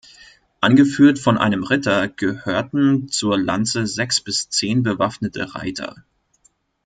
Angeführt von einem Ritter, gehörten zur Lanze sechs bis zehn bewaffnete Reiter.